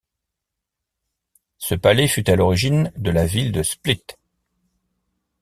Ce palais fut à l'origine de la ville de Split.